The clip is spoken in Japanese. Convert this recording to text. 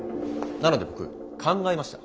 なので僕考えました。